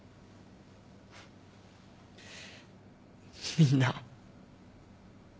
みんな。